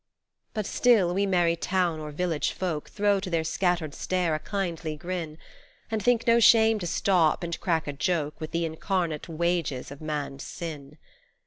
But still we merry town or village folk Throw to their scattered stare a kindly grin, And think no shame to stop and crack a joke With the incarnate wages of man's sin.